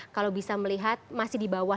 kalau bisa melihat masih dibawah